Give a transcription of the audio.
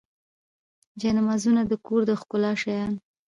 جانمازونه د کور د ښکلا شیان.